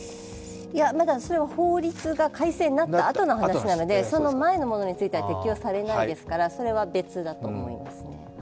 まだそれは法律が改正になったあとの話なので、その前のものについては適用されないですからそれは別だと思いますね。